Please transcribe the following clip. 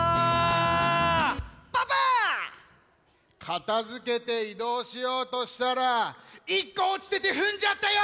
かたづけていどうしようとしたら１こおちててふんじゃったよ！